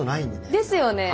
ですよね。